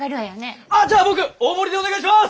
ああじゃあ僕大盛りでお願いします！